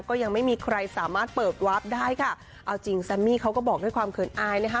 ก็ยังไม่มีใครสามารถเปิดวาร์ฟได้ค่ะเอาจริงแซมมี่เขาก็บอกด้วยความเขินอายนะคะ